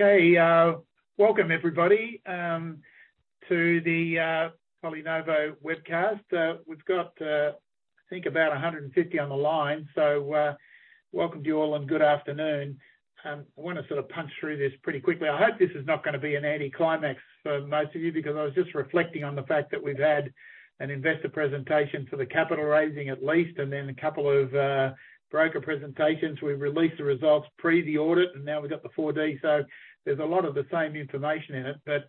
Okay, welcome everybody to the PolyNovo webcast. We've got, I think about 150 on the line, welcome to you all and good afternoon. I wanna sort of punch through this pretty quickly i hope this is not gonna be an anticlimax for most of you, because I was just reflecting on the fact that we've had an investor presentation for the capital raising at least, then a couple of broker presentations. We've released the results pre the audit, now we've got the four day. There's a lot of the same information in it.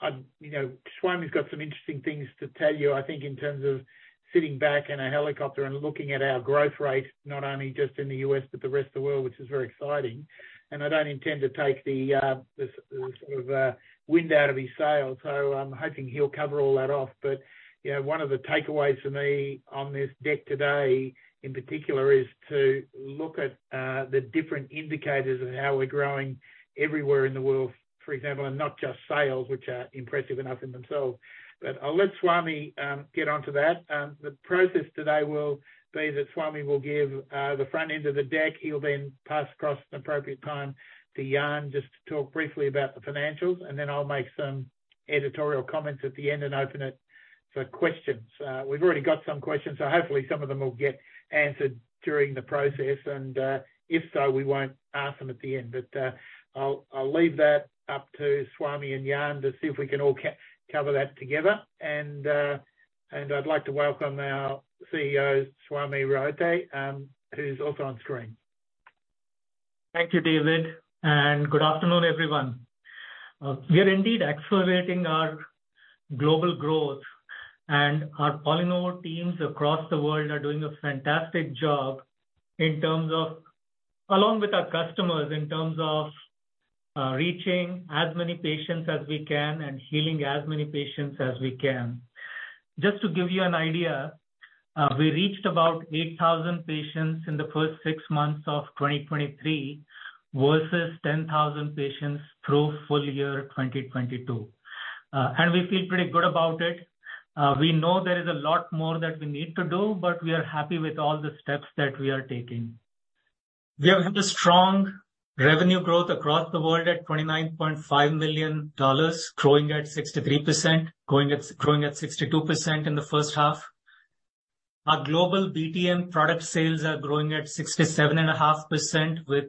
I'd... You know, Swami got some interesting things to tell you, I think in terms of sitting back in a helicopter and looking at our growth rate, not only just in the U.S., but the rest of the world, which is very exciting. I don't intend to take the sort of wind out of his sails, so I'm hoping he'll cover all that off. You know, one of the takeaways for me on this deck today, in particular, is to look at the different indicators of how we're growing everywhere in the world, for example, and not just sales, which are impressive enough in themselves. I'll let Swami get on to that. The process today will be that Swami will give the front end of the deck. He'll then pass across at an appropriate time to Jan just to talk briefly about the financials, and then I'll make some editorial comments at the end and open it for questions. We've already got some questions, so hopefully some of them will get answered during the process, and if so, we won't ask them at the end. I'll leave that up to Swami and Jan to see if we can all co-cover that together. I'd like to welcome our CEO, Swami Raote, who's also on screen. Thank you, David, and good afternoon, everyone. We are indeed accelerating our global growth and our PolyNovo teams across the world are doing a fantastic job in terms of... along with our customers, in terms of, reaching as many patients as we can and healing as many patients as we can. Just to give you an idea, we reached about 8,000 patients in the first six months of 2023 versus 10,000 patients through full year 2022. We feel pretty good about it. We know there is a lot more that we need to do, but we are happy with all the steps that we are taking. We have had a strong revenue growth across the world at 29.5 million dollars, growing at 63%, growing at 62% in the first half. Our global BTM product sales are growing at 67.5% with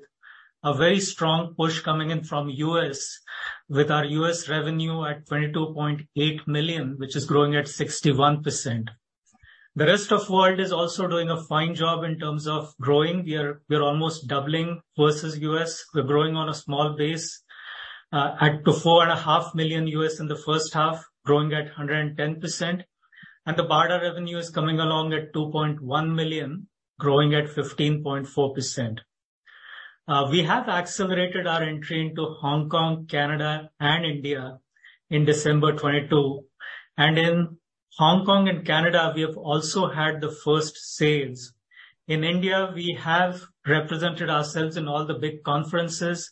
a very strong push coming in from U.S., with our U.S. revenue at $22.8 million, which is growing at 61%. The rest of world is also doing a fine job in terms of growing. We're almost doubling versus U.S. We're growing on a small base, at $4.5 million in the first half, growing at 110%. The BARDA revenue is coming along at $2.1 million, growing at 15.4%. We have accelerated our entry into Hong Kong, Canada, and India in December 2022. In Hong Kong and Canada, we have also had the first sales. In India, we have represented ourselves in all the big conferences.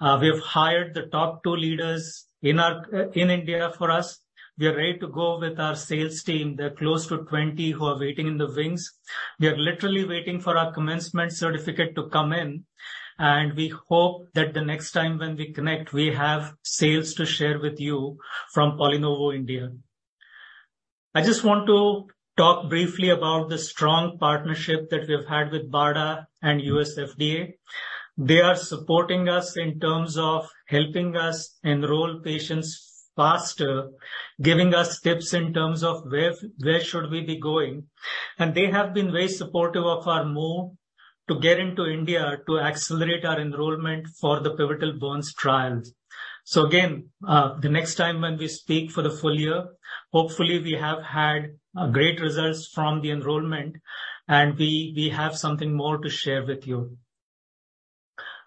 We have hired the top two leaders in our in India for us. We are ready to go with our sales team they're close to 20 who are waiting in the wings. We are literally waiting for our commencement certificate to come in, and we hope that the next time when we connect, we have sales to share with you from PolyNovo India. I just want to talk briefly about the strong partnership that we have had with BARDA and US FDA. They are supporting us in terms of helping us enroll patients faster, giving us tips in terms of where should we be going. They have been very supportive of our move to get into India to accelerate our enrollment for the pivotal burns trials. Again, the next time when we speak for the full year, hopefully we have had great results from the enrollment and we have something more to share with you.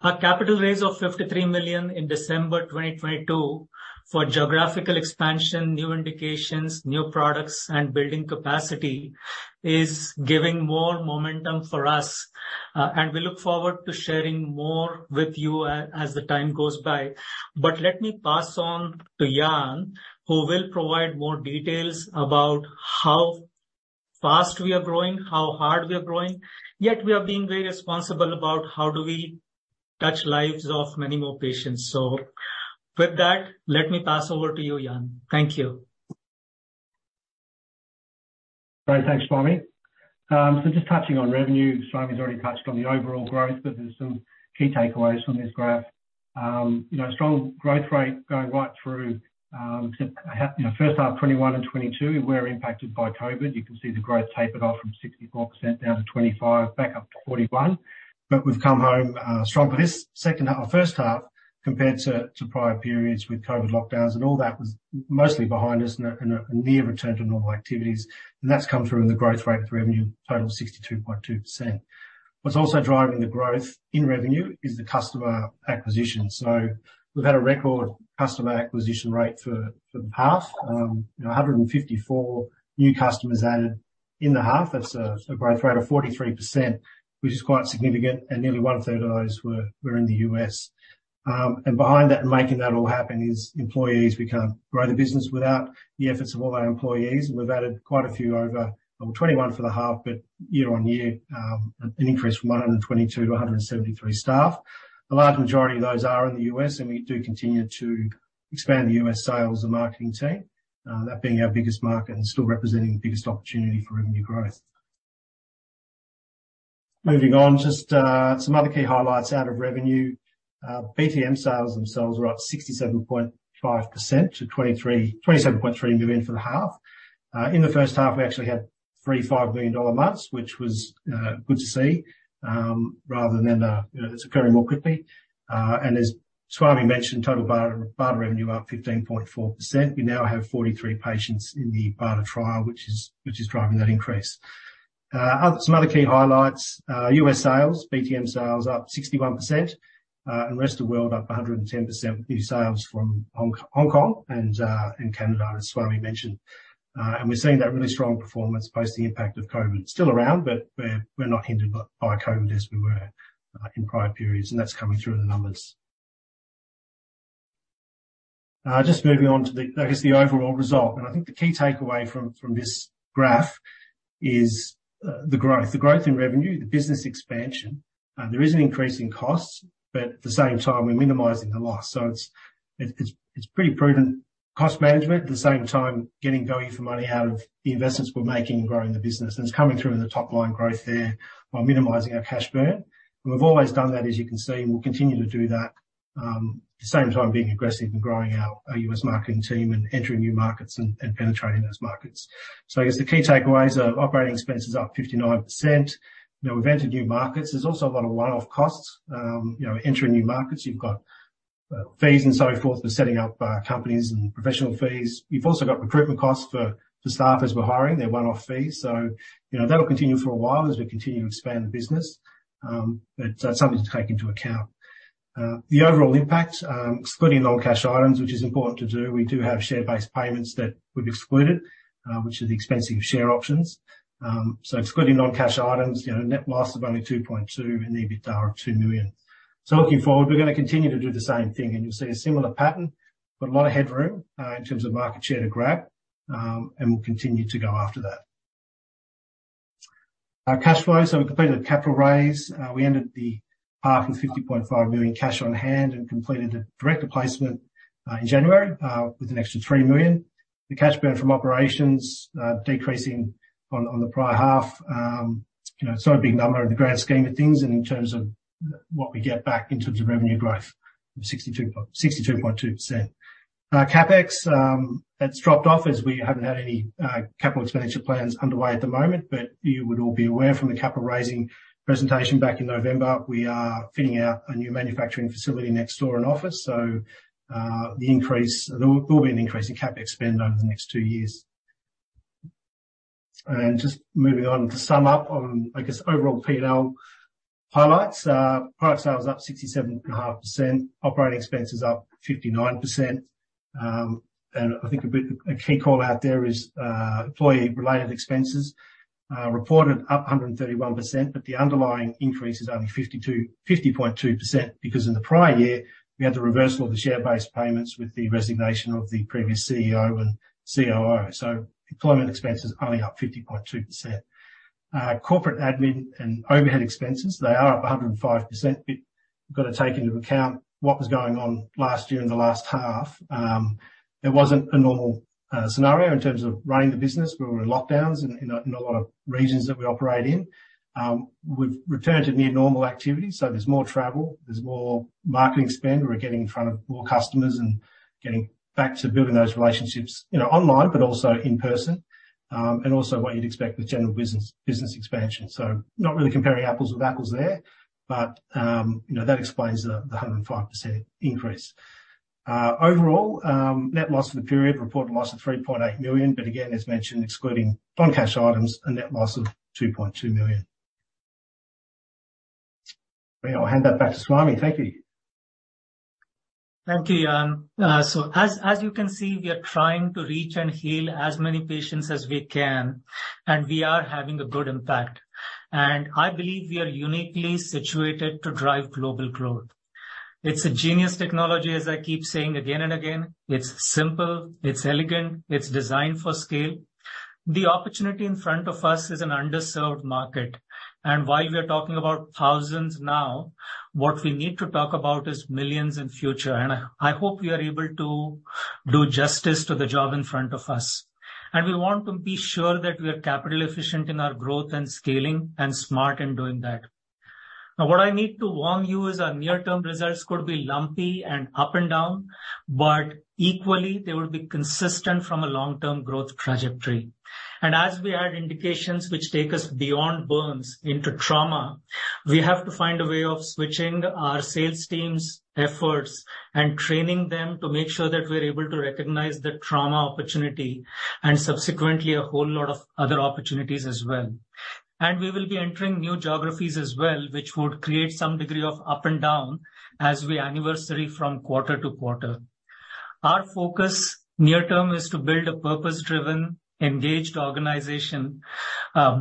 Our capital raise of 53 million in December 2022 for geographical expansion, new indications, new products, and building capacity is giving more momentum for us, and we look forward to sharing more with you as the time goes by. Let me pass on to Jan, who will provide more details about how fast we are growing, how hard we are growing, yet we are being very responsible about how do we touch lives of many more patients. With that, let me pass over to you, Jan. Thank you. Great. Thanks, Swami. Just touching on revenue, Swami's already touched on the overall growth, there's some key takeaways from this graph. You know, strong growth rate going right through, since, you know, first half 2021 and 2022, we're impacted by COVID you can see the growth tapered off from 64% down to 25%, back up to 41%. We've come home strongly this second or first half compared to prior periods with COVID lockdowns and all that was mostly behind us in a near return to normal activities. That's come through in the growth rate for revenue, total 62.2%. What's also driving the growth in revenue is the customer acquisition. We've had a record customer acquisition rate for the half. You know, 154 new customers added in the half that's a growth rate of 43%, which is quite significant, and nearly 1/3 of those were in the U.S. Behind that and making that all happen is employees we can't grow the business without the efforts of all our employees we've added quite a few over 21 for the half, but year-on-year, an increase from 122 to 173 staff. The large majority of those are in the U.S., and we do continue to expand the U.S. sales and marketing team. That being our biggest market and still representing the biggest opportunity for revenue growth. Moving on, just some other key highlights out of revenue. BTM sales themselves were up 67.5% to 27.3 million for the half. In the first half, we actually had 35 million dollar months, which was good to see, rather than, you know, it's occurring more quickly. As Swami mentioned, total BARDA revenue up 15.4% we now have 43 patients in the BARDA trial, which is driving that increase. Some other key highlights, US sales, BTM sales up 61%, and rest of world up 110% with new sales from Hong Kong and Canada, as Swami mentioned. We're seeing that really strong performance post the impact of COVID. Still around, but we're not hindered by COVID as we were in prior periods that's coming through in the numbers. Just moving on to the, I guess, the overall result. I think the key takeaway from this graph is the growth. The growth in revenue, the business expansion. There is an increase in costs, but at the same time we're minimizing the loss. It's pretty prudent cost management at the same time, getting value for money out of the investments we're making in growing the business it's coming through in the top line growth there while minimizing our cash burn. We've always done that, as you can see, and we'll continue to do that, at the same time being aggressive in growing our U.S. marketing team and entering new markets and penetrating those markets. I guess the key takeaways are operating expenses up 59%. You know, we've entered new markets there's also a lot of one-off costs. You know, entering new markets, you've got fees and so forth for setting up companies and professional fees. We've also got recruitment costs for staff as we're hiring they're one-off fees. You know, that'll continue for a while as we continue to expand the business. Something to take into account. The overall impact, excluding non-cash items, which is important to do, we do have share-based payments that we've excluded, which are the expensive share options. Excluding non-cash items, you know, net loss of only 2.2 million and the EBITDA of 2 million. Looking forward, we're gonna continue to do the same thing, and you'll see a similar pattern. Got a lot of headroom in terms of market share to grab, and we'll continue to go after that. Our cash flow we completed a capital raise. We ended the half with 50.5 million cash on hand and completed a director placement in January with an extra 3 million. The cash burn from operations decreasing on the prior half. You know, it's not a big number in the grand scheme of things and in terms of what we get back in terms of revenue growth of 62.2%. CapEx, that's dropped off as we haven't had any capital expenditure plans underway at the moment, but you would all be aware from the capital raising presentation back in November, we are fitting out a new manufacturing facility next door and office. There will be an increase in CapEx spend over the next two years. Just moving on to sum up on, I guess, overall P&L highlights. Product sales up 67.5%, operating expenses up 59%. I think a key call-out there is employee-related expenses reported up 131%, but the underlying increase is only 50.2% because in the prior year, we had the reversal of the share-based payments with the resignation of the previous CEO and COO. Employment expenses only up 50.2%. Corporate admin and overhead expenses, they are up 105%, but gotta take into account what was going on last year in the last half. It wasn't a normal scenario in terms of running the business we were in lockdowns in a lot of regions that we operate in. We've returned to near normal activity, so there's more travel, there's more marketing spend we're getting in front of more customers and getting back to building those relationships, you know, online, but also in person. And also what you'd expect with general business expansion. Not really comparing apples with apples there, but, you know, that explains the 105% increase. Overall, net loss for the period, reported loss of 3.8 million, but again, as mentioned, excluding non-cash items, a net loss of 2.2 million. I'll hand back to Swami. Thank you. Thank you, Jan. As you can see, we are trying to reach and heal as many patients as we can. We are having a good impact. I believe we are uniquely situated to drive global growth. It's a genius technology, as I keep saying again and again. It's simple, it's elegant, it's designed for scale. The opportunity in front of us is an underserved market. While we are talking about thousands now, what we need to talk about is millions in future. I hope we are able to do justice to the job in front of us. We want to be sure that we are capital efficient in our growth and scaling, and smart in doing that. What I need to warn you is our near-term results could be lumpy and up and down, but equally, they will be consistent from a long-term growth trajectory. As we add indications which take us beyond burns into trauma, we have to find a way of switching our sales team's efforts and training them to make sure that we're able to recognize the trauma opportunity and subsequently a whole lot of other opportunities as well. We will be entering new geographies as well, which would create some degree of up and down as we anniversary from quarter-to-quarter. Our focus near term is to build a purpose-driven, engaged organization,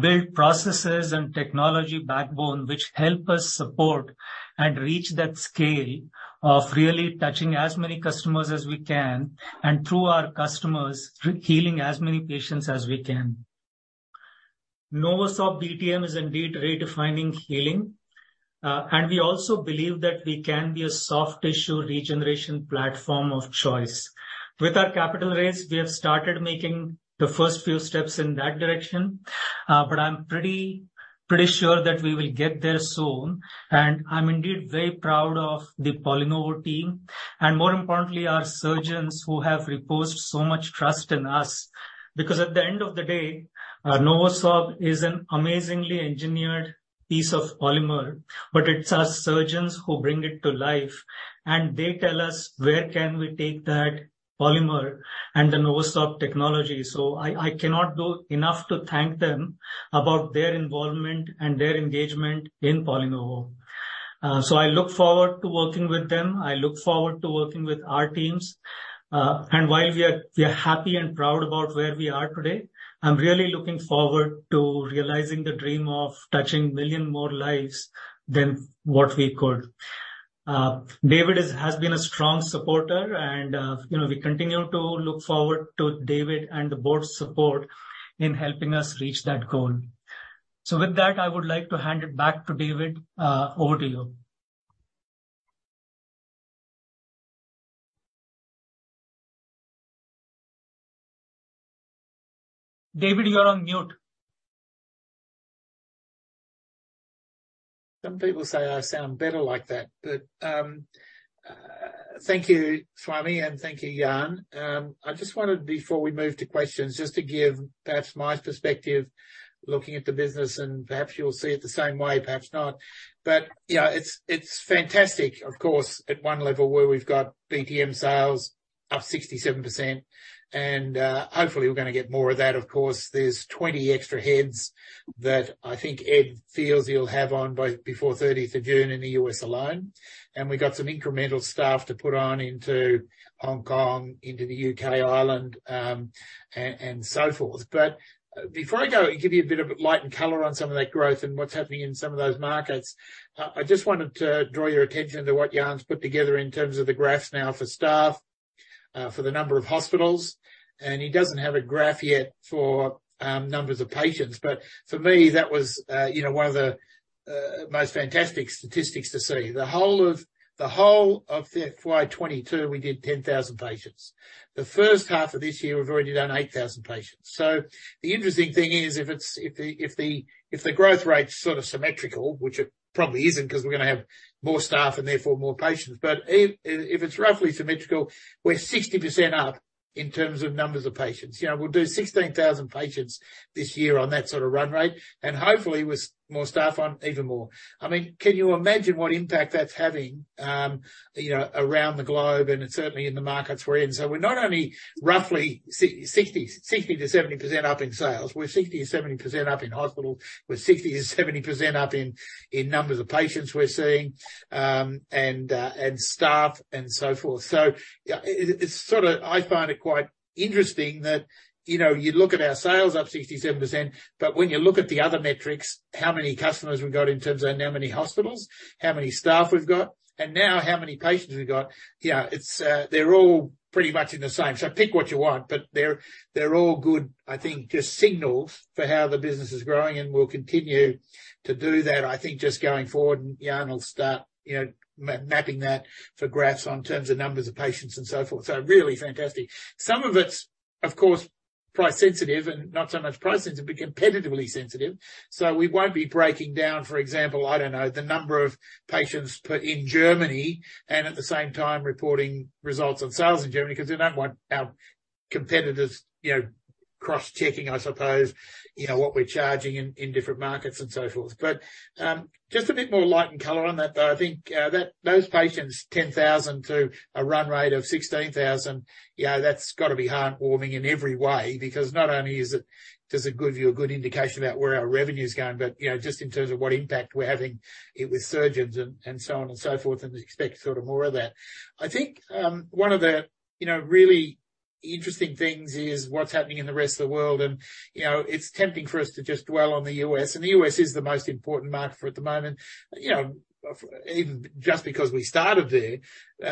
build processes and technology backbone which help us support and reach that scale of really touching as many customers as we can, and through our customers, healing as many patients as we can. NovoSorb BTM is indeed redefining healing. We also believe that we can be a soft tissue regeneration platform of choice. With our capital raise, we have started making the first few steps in that direction. I'm pretty sure that we will get there soon. I'm indeed very proud of the PolyNovo team, and more importantly, our surgeons who have reposed so much trust in us. Because at the end of the day, our NovoSorb is an amazingly engineered piece of polymer, but it's our surgeons who bring it to life, and they tell us where can we take that polymer and the NovoSorb technology. I cannot do enough to thank them about their involvement and their engagement in PolyNovo. I look forward to working with them. I look forward to working with our teams. While we are happy and proud about where we are today, I'm really looking forward to realizing the dream of touching million more lives than what we could. David has been a strong supporter and, you know, we continue to look forward to David and the board's support in helping us reach that goal. With that, I would like to hand it back to David. Over to you. David, you're on mute. Some people say I sound better like that. Thank you, Swami, and thank you, Jan. I just wanted, before we move to questions, just to give perhaps my perspective looking at the business, and perhaps you'll see it the same way, perhaps not. Yeah, it's fantastic, of course, at one level where we've got BTM sales up 67% and hopefully we're gonna get more of that, of course there's 20 extra heads that I think Ed feels he'll have on both before 30 June in the U.S. alone. We got some incremental staff to put on into Hong Kong, into the U.K., Ireland, and so forth. Before I go and give you a bit of light and color on some of that growth and what's happening in some of those markets, I just wanted to draw your attention to what Jan's put together in terms of the graphs now for staff, for the number of hospitals, and he doesn't have a graph yet for numbers of patients. For me, that was, you know, one of the most fantastic statistics to see the whole of FY 2022, we did 10,000 patients. The first half of this year, we've already done 8,000 patients. The interesting thing is, if it's, if the growth rate's sort of symmetrical, which it probably isn't 'cause we're gonna have more staff and therefore more patients. If it's roughly symmetrical, we're 60% up in terms of numbers of patients. You know, we'll do 16,000 patients this year on that sort of run rate, and hopefully with more staff on, even more. I mean, can you imagine what impact that's having, you know, around the globe and certainly in the markets we're in? We're not only roughly 60% to 70% up in sales, we're 60% or 70% up in hospital. We're 60% to 70% up in numbers of patients we're seeing, and staff and so forth. Yeah, it's sorta... I find it quite interesting that, you know, you look at our sales up 67%, when you look at the other metrics, how many customers we've got in terms of how many hospitals, how many staff we've got, and now how many patients we've got. Yeah, it's, they're all pretty much in the same pick what you want, but they're all good, I think, just signals for how the business is growing and will continue to do that, I think, just going forward, and Jan will start, you know, mapping that for graphs on terms of numbers of patients and so forth really fantastic. Some of it's, of course, price sensitive, and not so much price sensitive, but competitively sensitive. We won't be breaking down, for example, I don't know, the number of patients per in Germany and at the same time reporting results on sales in Germany because we don't want our competitors, you know, cross-checking, I suppose, you know, what we're charging in different markets and so forth. Just a bit more light and color on that, though. I think that those patients, 10,000 to a run rate of 16,000, yeah, that's gotta be heartwarming in every way because not only is it, does it give you a good indication about where our revenue's going, but you know, just in terms of what impact we're having with surgeons and so on and so forth, and expect sort of more of that. I think, one of the, you know, really interesting things is what's happening in the rest of the world and, you know, it's tempting for us to just dwell on the U.S., and the U.S. is the most important market for at the moment, you know, of even just because we started there.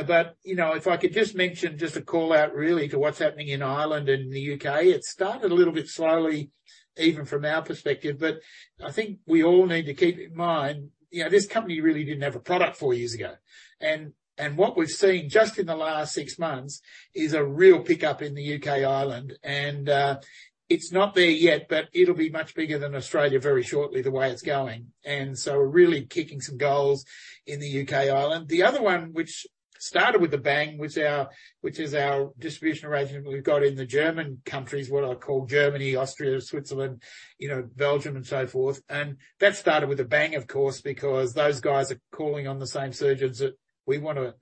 But you know, if I could just mention just a call-out really to what's happening in Ireland and the U.K. It started a little bit slowly, even from our perspective, but I think we all need to keep in mind, you know, this company really didn't have a product four years ago. What we've seen just in the last 6 months is a real pickup in the U.K., Ireland, and it's not there yet, but it'll be much bigger than Australia very shortly, the way it's going. We're really kicking some goals in the U.K., Ireland the other one which started with a bang was our, which is our distribution arrangement we've got in the German countries, what I call Germany, Austria, Switzerland, you know, Belgium and so forth. That started with a bang, of course, because those guys are calling on the same surgeons that we wanna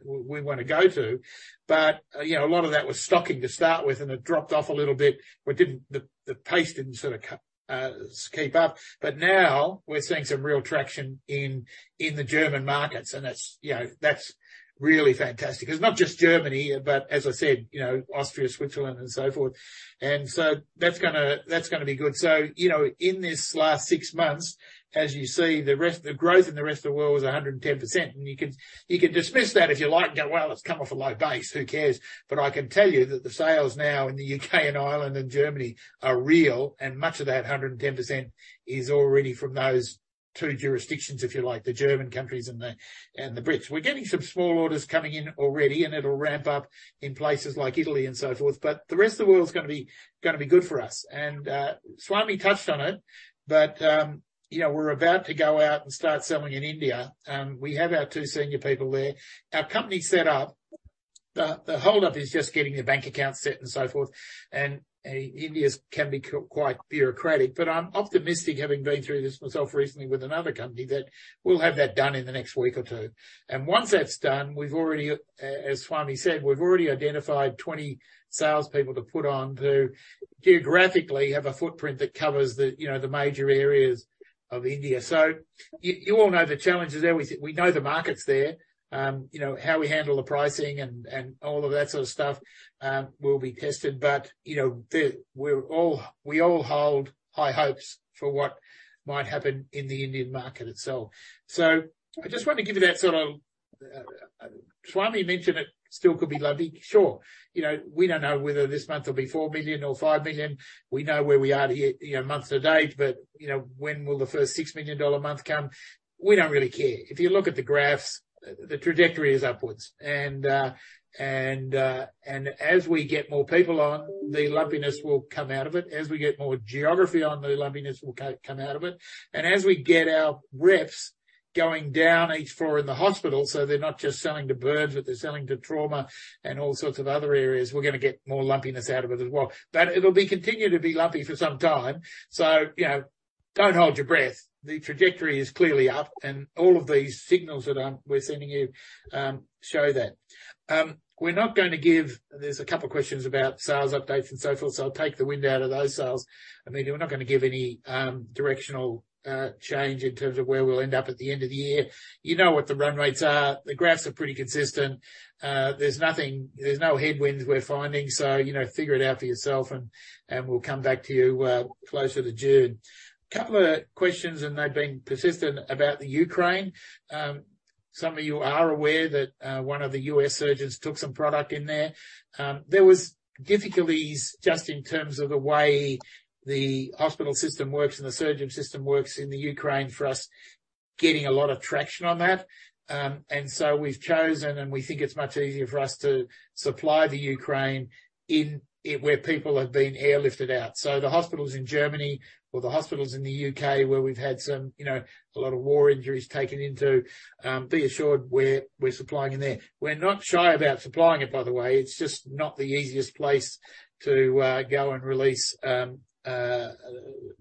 go to. You know, a lot of that was stocking to start with, and it dropped off a little bit. We didn't. The pace didn't sort of keep up. Now we're seeing some real traction in the German markets, and that's, you know, that's really fantastic and it's not just Germany, but as I said, you know, Austria, Switzerland and so forth. That's gonna, that's gonna be good. You know, in this last six months, as you see, the growth in the rest of the world was 110%, you can, you can dismiss that if you like and go, "Well, it's come off a low base. Who cares?" I can tell you that the sales now in the UK and Ireland and Germany are real, and much of that 110% is already from those two jurisdictions, if you like, the German countries and the, and the Brits. We're getting some small orders coming in already, it'll ramp up in places like Italy and so forth, the rest of the world is gonna be good for us. Swami touched on it, you know, we're about to go out and start selling in India. We have our two senior people there. Our company's set up. The holdup is just getting the bank account set and so forth. India's can be quite bureaucratic, but I'm optimistic, having been through this myself recently with another company, that we'll have that done in the next week or two. Once that's done, we've already as Swami said, we've already identified 20 salespeople to put on who geographically have a footprint that covers the, you know, the major areas of India. You all know the challenges there we know the market's there. You know, how we handle the pricing and all of that sort of stuff will be tested. You know, we all hold high hopes for what might happen in the Indian market itself. I just wanted to give you that sort of. Swami mentioned it still could be lumpy. Sure. You know, we don't know whether this month will be 4 million or 5 million. We know where we are here, you know, month to date. You know, when will the first 6 million dollar month come? We don't really care. If you look at the graphs, the trajectory is upwards. As we get more people on, the lumpiness will come out of it as we get more geography on, the lumpiness will come out of it. As we get our reps going down each floor in the hospital, so they're not just selling to burns, but they're selling to trauma and all sorts of other areas, we're gonna get more lumpiness out of it as well. It'll be continued to be lumpy for some time. You know, don't hold your breath. The trajectory is clearly up, and all of these signals that we're sending you show that. We're not gonna give. There's a couple of questions about sales updates and so forth, so I'll take the wind out of those sails. I mean, we're not gonna give any directional change in terms of where we'll end up at the end of the year. You know what the run rates are. The graphs are pretty consistent. There's no headwinds we're finding, you know, figure it out for yourself, and we'll come back to you closer to June. Couple of questions, they've been persistent about the Ukraine. Some of you are aware that one of the U.S. surgeons took some product in there. There was difficulties just in terms of the way the hospital system works and the surgeon system works in the Ukraine for us getting a lot of traction on that. We've chosen, and we think it's much easier for us to supply the Ukraine where people have been airlifted out. The hospitals in Germany or the hospitals in the U.K. where we've had some, you know, a lot of war injuries taken into, be assured we're supplying in there. We're not shy about supplying it, by the way it's just not the easiest place to go and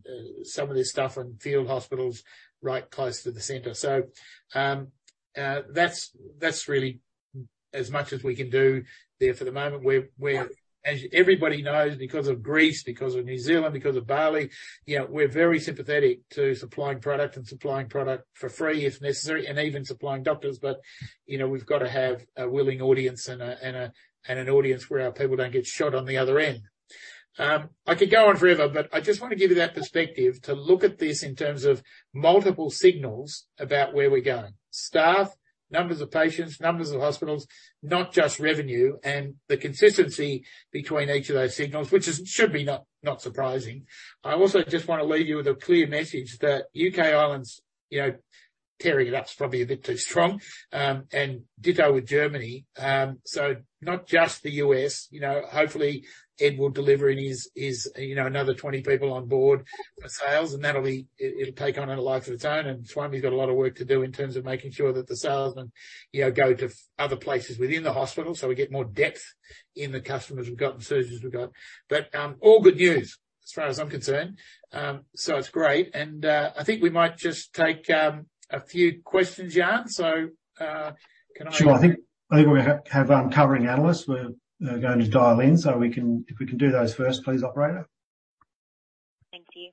release some of this stuff in field hospitals right close to the center. That's really as much as we can do there for the moment. We're As everybody knows, because of Greece, because of New Zealand, because of Bali, you know, we're very sympathetic to supplying product and supplying product for free if necessary, and even supplying doctors. You know, we've got to have a willing audience and an audience where our people don't get shot on the other end. I could go on forever, but I just want to give you that perspective to look at this in terms of multiple signals about where we're going. Staff, numbers of patients, numbers of hospitals, not just revenue and the consistency between each of those signals, which should be not surprising. I also just want to leave you with a clear message that U.K. and Ireland's you know, tearing it up is probably a bit too strong, [inaudible] with Germany. Not just the U.S. You know, hopefully Ed will deliver in his, you know, another 20 people on board for sales, it'll take on a life of its own Swami's got a lot of work to do in terms of making sure that the sales, you know, go to other places within the hospital, we get more depth in the customers we've got and surgeons we've got. All good news as far as I'm concerned. It's great. I think we might just take a few questions, Jan. Sure. I think we have covering analysts who are going to dial in, if we can do those first, please, operator. Thank you.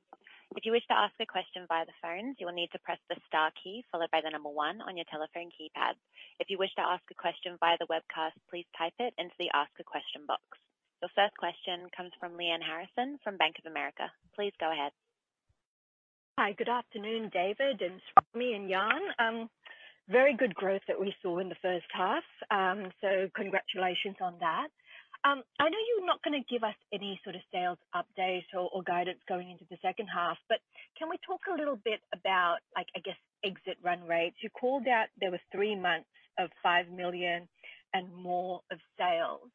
If you wish to ask a question via the phones, you will need to press the star key followed by the number one on your telephone keypad. If you wish to ask a question via the webcast, please type it into the ask a question box. Your first question comes from Lyanne Harrison from Bank of America. Please go ahead. Hi. Good afternoon, David and Swami and Jan. Very good growth that we saw in the first half, so congratulations on that. I know you're not gonna give us any sort of sales update or guidance going into the second half, but can we talk a little bit about, like, I guess, exit run rates? You called out there were three months of 5 million and more of sales.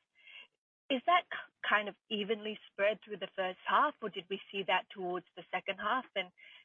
Is that kind of evenly spread through the first half, or did we see that towards the second half?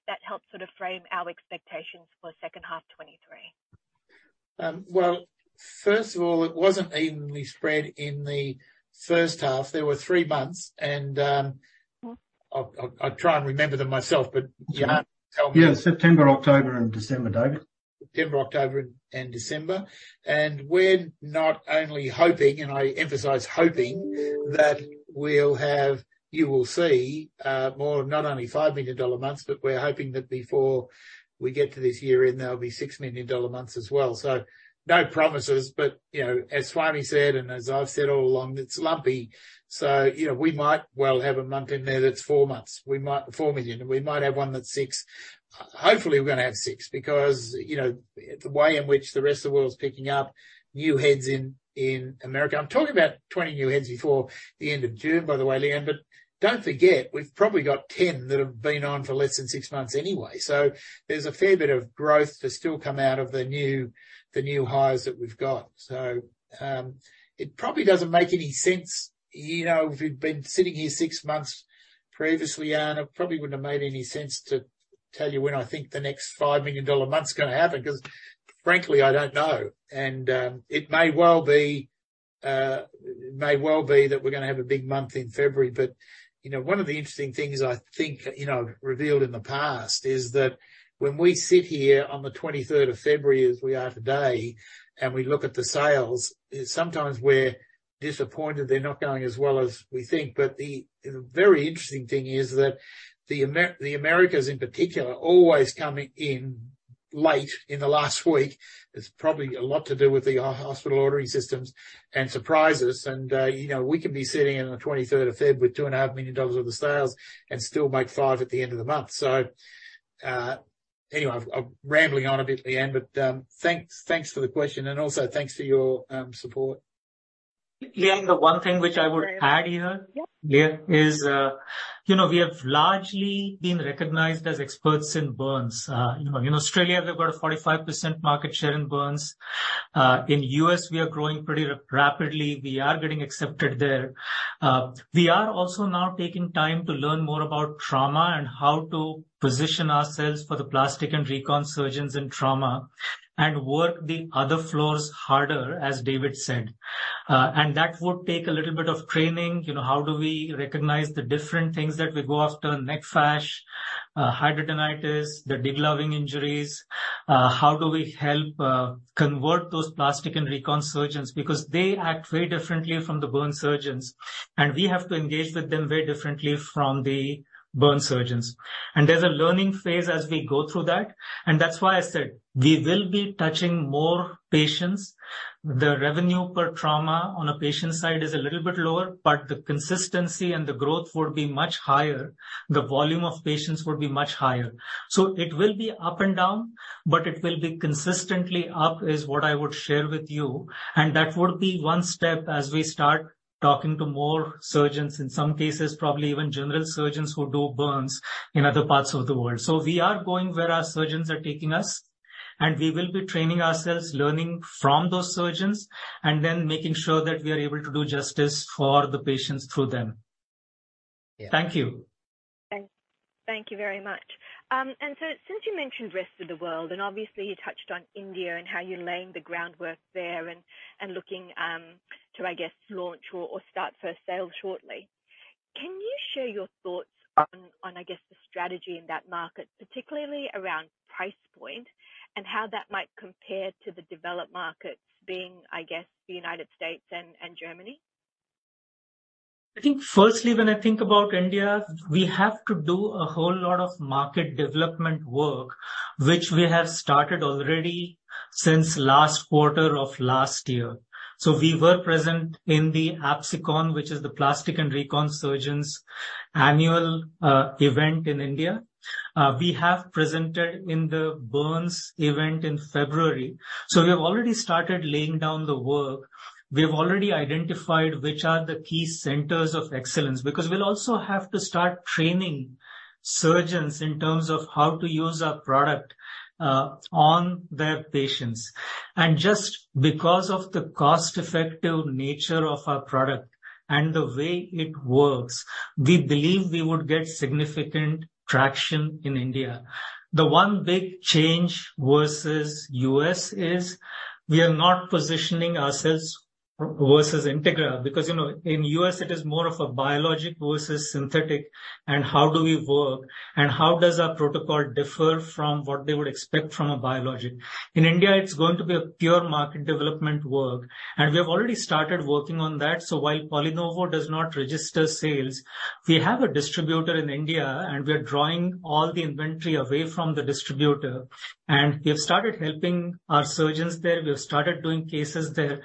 That helps sort of frame our expectations for second half 2023. Well, first of all, it wasn't evenly spread in the first half. There were three months and I'll try and remember them myself, Jan tell me. Yeah, September, October and December, David. September, October and December. We're not only hoping, and I emphasize hoping, that we'll have. You will see more of not only 5 million dollar months, but we're hoping that before we get to this year-end, there'll be 6 million dollar months as well. No promises, but, you know, as Swami said, and as I've said all along, it's lumpy. You know, we might well have a month in there that's 4 million we might have one that's 6 million. Hopefully, we're gonna have 6 million because, you know, the way in which the rest of the world is picking up new heads in America i'm talking about 20 new heads before the end of June, by the way, Leanne. Don't forget, we've probably got 10 that have been on for less than six months anyway. There's a fair bit of growth to still come out of the new, the new hires that we've got. It probably doesn't make any sense. You know, if you've been sitting here six months previously, Jan, it probably wouldn't have made any sense to tell you when I think the next 5 million dollar month's gonna happen, 'cause frankly, I don't know. It may well be that we're gonna have a big month in February. You know, one of the interesting things I think, you know, revealed in the past is that when we sit here on the 23 February, as we are today, and we look at the sales, sometimes we're disappointed they're not going as well as we think. The very interesting thing is that the Americas in particular, always come in late in the last week. It's probably a lot to do with the hospital ordering systems and surprises. You know, we can be sitting on the 23 February with 2.5 million dollars worth of sales and still make 5 million at the end of the month. Anyway, I'm rambling on a bit, Lyanne, but thanks for the question and also thanks for your support. Lyanne, the one thing which I would add here. Yeah. Here is, you know, we have largely been recognized as experts in burns. You know, in Australia, we've got a 45% market share in burns. In US we are growing pretty rapidly we are getting accepted there. We are also now taking time to learn more about trauma and how to position ourselves for the plastic and recon surgeons in trauma and work the other floors harder, as David said. That would take a little bit of training. You know, how do we recognize the different things that we go after, necrotising fasciitis, hidradenitis, the degloving injuries. How do we help convert those plastic and recon surgeons? They act very differently from the burn surgeons, and we have to engage with them very differently from the burn surgeons. There's a learning phase as we go through that, and that's why I said we will be touching more patients. The revenue per trauma on a patient side is a little bit lower, but the consistency and the growth would be much higher. The volume of patients would be much higher. It will be up and down, but it will be consistently up, is what I would share with you. That would be one step as we start talking to more surgeons, in some cases probably even general surgeons who do burns in other parts of the world we are going where our surgeons are taking us and we will be training ourselves, learning from those surgeons and then making sure that we are able to do justice for the patients through them. Yeah. Thank you. Thank you very much. Since you mentioned rest of the world, and obviously you touched on India and how you're laying the groundwork there and looking, to, I guess, launch or start first sales shortly. Can you share your thoughts on, I guess, the strategy in that market, particularly around price point and how that might compare to the developed markets being, I guess, the United States and Germany? I think firstly, when I think about India, we have to do a whole lot of market development work, which we have started already since last quarter of last year. We were present in the APSICON, which is the Plastic and Recon Surgeons annual event in India. We have presented in the burns event in February. We have already started laying down the work. We have already identified which are the key centers of excellence, because we'll also have to start training surgeons in terms of how to use our product on their patients. Just because of the cost-effective nature of our product and the way it works, we believe we would get significant traction in India. The one big change versus U.S. is we are not positioning ourselves versus Integra because, you know, in U.S. it is more of a biologic versus synthetic and how do we work and how does our protocol differ from what they would expect from a biologic. In India it's going to be a pure market development work. We have already started working on that. While PolyNovo does not register sales, we have a distributor in India and we are drawing all the inventory away from the distributor. We have started helping our surgeons there we have started doing cases there.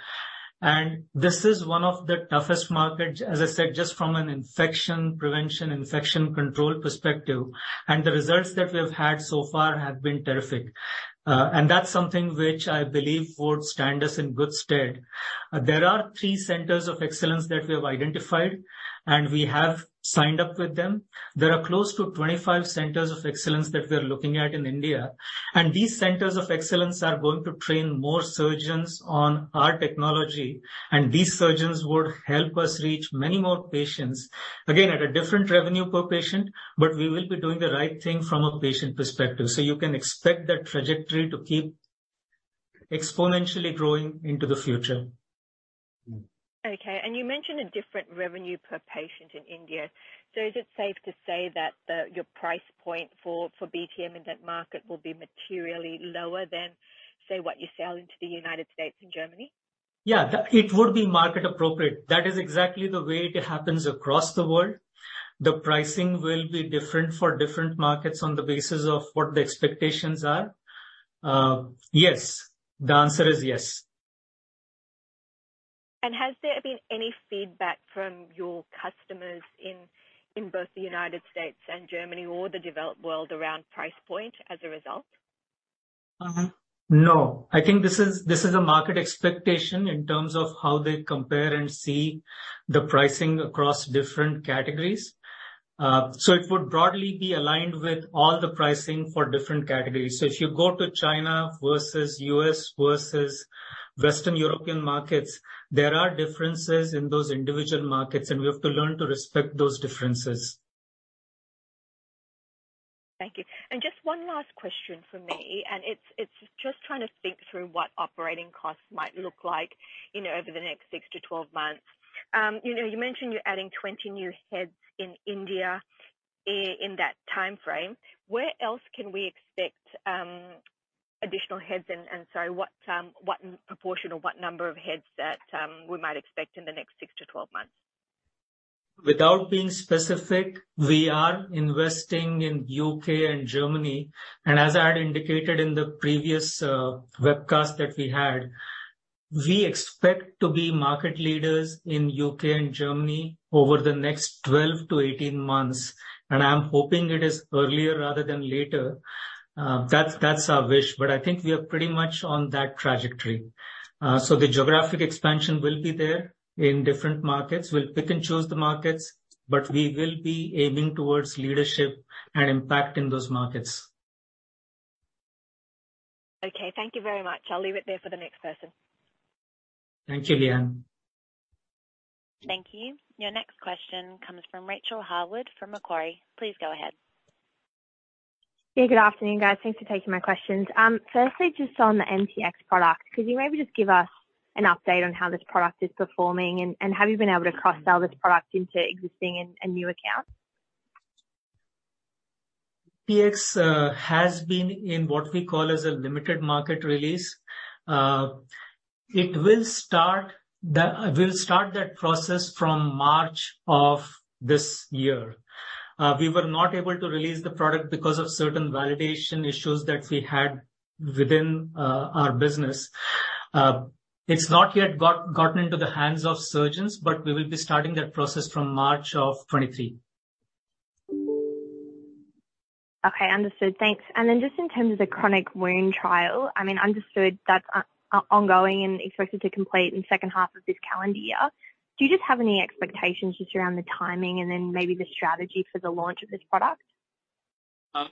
This is one of the toughest markets, as I said, just from an infection prevention, infection control perspective. The results that we have had so far have been terrific. That's something which I believe would stand us in good stead. There are three centers of excellence that we have identified. We have signed up with them. There are close to 25 centers of excellence that we are looking at in India. These centers of excellence are going to train more surgeons on our technology. These surgeons would help us reach many more patients. Again, at a different revenue per patient, we will be doing the right thing from a patient perspective you can expect that trajectory to keep exponentially growing into the future. Okay. You mentioned a different revenue per patient in India. Is it safe to say that your price point for BTM in that market will be materially lower than, say, what you sell into the United States and Germany? Yeah. It would be market appropriate. That is exactly the way it happens across the world. The pricing will be different for different markets on the basis of what the expectations are. Yes. The answer is yes. Has there been any feedback from your customers in both the United States and Germany or the developed world around price point as a result? No. I think this is, this is a market expectation in terms of how they compare and see the pricing across different categories. It would broadly be aligned with all the pricing for different categories if you go to China versus U.S. versus Western European markets, there are differences in those individual markets, and we have to learn to respect those differences. Thank you. Just one last question from me, and it's just trying to think through what operating costs might look like, you know, over the next six to 12 months. You know, you mentioned you're adding 20 new heads in India in that timeframe. Where else can we expect additional heads and so what proportion or what number of heads that we might expect in the next six to 12 months? Without being specific, we are investing in UK and Germany, and as I had indicated in the previous webcast that we had, we expect to be market leaders in UK and Germany over the next 12 to 18 months. I am hoping it is earlier rather than later. That's, that's our wish, but I think we are pretty much on that trajectory. The geographic expansion will be there in different markets we'll pick and choose the markets, but we will be aiming towards leadership and impact in those markets. Okay, thank you very much. I'll leave it there for the next person. Thank you, Lyanne. Thank you. Your next question comes from Rachael Harwood from Macquarie. Please go ahead. Yeah, good afternoon, guys. Thanks for taking my questions. Firstly, just on the MTX product. Could you maybe just give us an update on how this product is performing and have you been able to cross-sell this product into existing and new accounts? MTX has been in what we call as a limited market release. We'll start that process from March of this year. We were not able to release the product because of certain validation issues that we had within our business. It's not yet gotten into the hands of surgeons, but we will be starting that process from March of 2023. Okay. Understood. Thanks. Just in terms of the chronic wound trial, I mean, understood that's ongoing and expected to complete in second half of this calendar year. Do you just have any expectations just around the timing and then maybe the strategy for the launch of this product?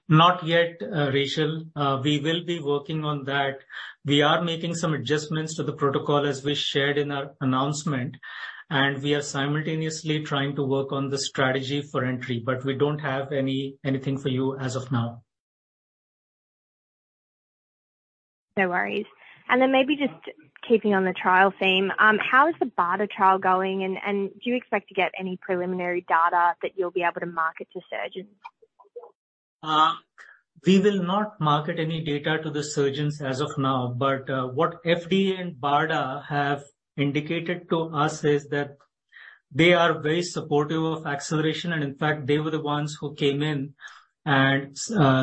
Not yet, Rachael. We will be working on that. We are making some adjustments to the protocol as we shared in our announcement, and we are simultaneously trying to work on the strategy for entry we don't have anything for you as of now. No worries. Maybe just keeping on the trial theme, how is the BARDA trial going and do you expect to get any preliminary data that you'll be able to market to surgeons? We will not market any data to the surgeons as of now, but what FDA and BARDA have indicated to us is that they are very supportive of acceleration, and in fact, they were the ones who came in and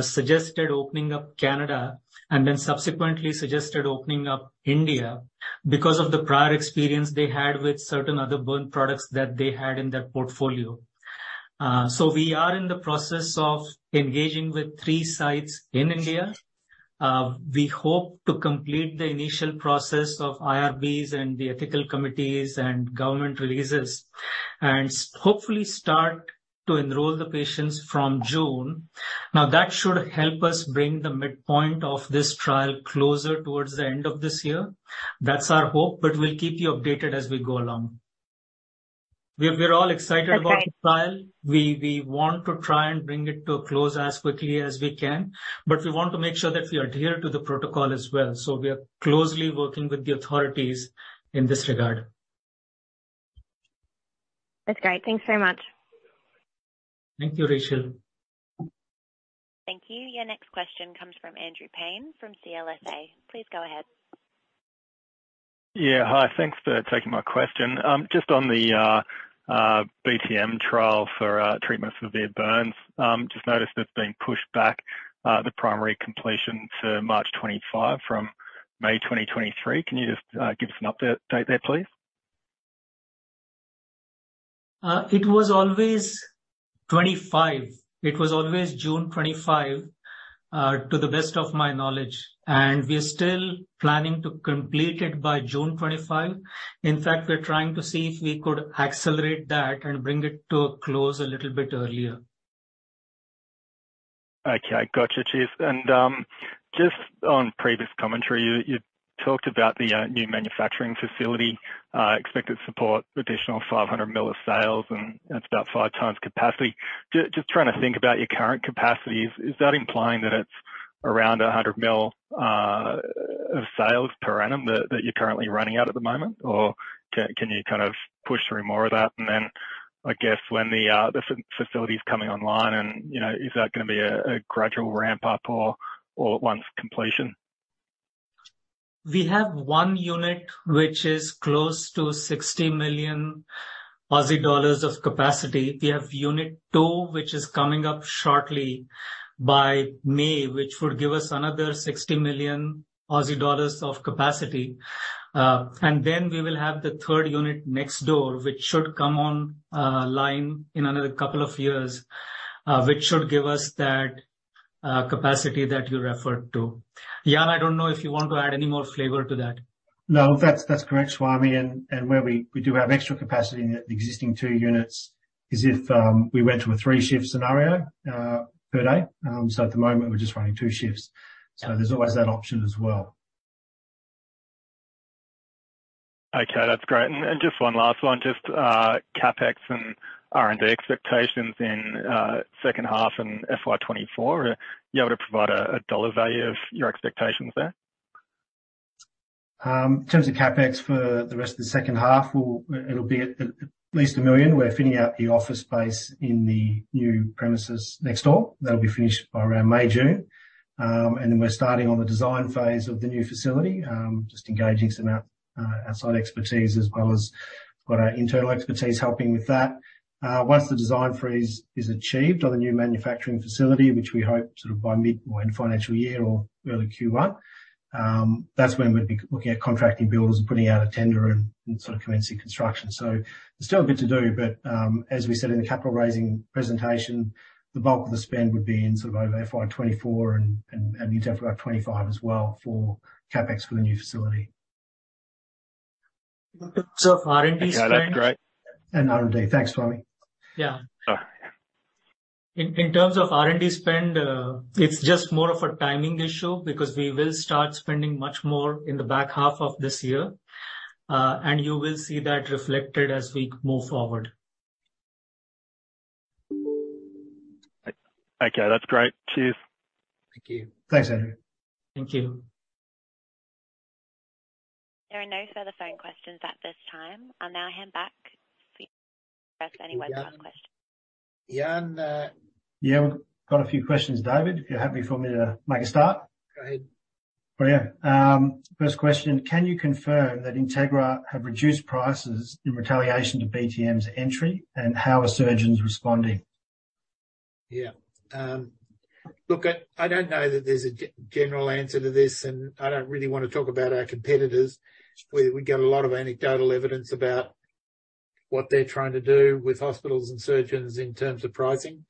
suggested opening up Canada and then subsequently suggested opening up India because of the prior experience they had with certain other burn products that they had in their portfolio. We are in the process of engaging with three sites in India. We hope to complete the initial process of IRBs and the ethical committees and government releases and hopefully start to enroll the patients from June. That should help us bring the midpoint of this trial closer towards the end of this year. That's our hope, but we'll keep you updated as we go along. We're all excited about the trial. Okay. We want to try and bring it to a close as quickly as we can, but we want to make sure that we adhere to the protocol as well. We are closely working with the authorities in this regard. That's great. Thanks very much. Thank you, Rachel. Thank you. Your next question comes from Andrew Paine from CLSA. Please go ahead. Hi. Thanks for taking my question. Just on the BTM trial for treatment severe burns. Just noticed it's been pushed back, the primary completion to March 2025 from May 2023. Can you just give us an update date there, please? It was always 2025. It was always June 2025, to the best of my knowledge, and we are still planning to complete it by June 2025. In fact, we're trying to see if we could accelerate that and bring it to a close a little bit earlier. Okay. Gotcha. Cheers. Just on previous commentary, you talked about the new manufacturing facility expected support additional 500 million of sales, and that's about five times capacity. Just trying to think about your current capacity. Is that implying that it's around 100 million of sales per annum that you're currently running at the moment? Or can you kind of push through more of that? I guess when the facility is coming online and, you know, is that gonna be a gradual ramp-up or at once completion? We have one unit which is close to 60 million Aussie dollars of capacity we have unit two, which is coming up shortly by May, which would give us another 60 million Aussie dollars of capacity. Then we will have the third unit next door, which should come on line in another couple of years, which should give us that capacity that you referred to. Jan, I don't know if you want to add any more flavor to that. No, that's correct, Swami. Where we do have extra capacity in the existing two units is if we went to a three shift scenario per day. At the moment we're just running two shifts. There's always that option as well. Okay, that's great. Just one last one, just CapEx and R&D expectations in second half and FY 2024. Are you able to provide a dollar value of your expectations there? In terms of CapEx for the rest of the second half, it'll be at least 1 million we're fitting out the office space in the new premises next door. That'll be finished by around May, June. Then we're starting on the design phase of the new facility, just engaging some outside expertise as well as got our internal expertise helping with that. Once the design freeze is achieved on the new manufacturing facility, which we hope sort of by mid or end financial year or early Q1, that's when we'd be looking at contracting builders and putting out a tender and sort of commencing construction. There's still a bit to do, but, as we said in the capital raising presentation, the bulk of the spend would be in sort of over FY 2024 and into FY 2025 as well for CapEx for the new facility. In terms of R&D spend. Okay. That's great. R&D. Thanks, Swami. Yeah. All right. In terms of R&D spend, it's just more of a timing issue because we will start spending much more in the back half of this year, and you will see that reflected as we move forward. Okay, that's great. Cheers. Thank you. Thanks, Andrew. Thank you. There are no further phone questions at this time. I'll now hand back for any webcast questions. Jan. Yeah. We've got a few questions, David, if you're happy for me to make a start. Go ahead. Yeah. First question, can you confirm that Integra have reduced prices in retaliation to BTM's entry, and how are surgeons responding? Yeah. Look, I don't know that there's a general answer to this, and I don't really wanna talk about our competitors. We get a lot of anecdotal evidence about what they're trying to do with hospitals and surgeons in terms of pricing.